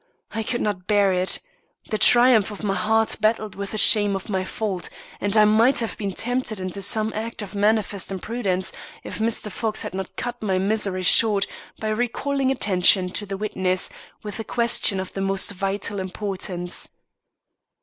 I could not bear it. The triumph of my heart battled with the shame of my fault, and I might have been tempted into some act of manifest imprudence, if Mr. Fox had not cut my misery short by recalling attention to the witness, with a question of the most vital importance.